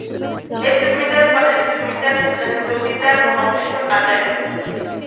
এই জমিদার বাড়ির জমিদার ছিলেন জমিদার কংস নারায়ণ।